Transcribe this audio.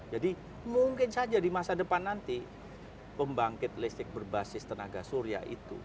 jadi mungkin saja di masa depan nanti pembangkit listrik berbasis tenaga surya itu